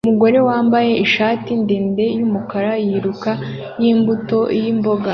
Umugore wambaye ishati ndende yumukara yiruka yimbuto n'imboga